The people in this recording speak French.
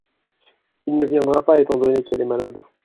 Il ne viendra pas étant donné qu’elle est malade.